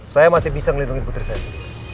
saya masih bisa melindungi putri saya sih